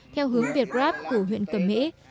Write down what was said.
theo hướng việt gáp của huyện cầm mỹ